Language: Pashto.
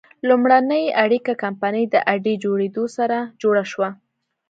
لومړنۍ اړیکه کمپنۍ د اډې جوړېدو سره جوړه شوه.